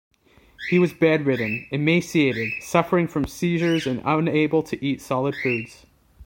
He was bedridden, emaciated, suffering from seizures and unable to eat solid foods.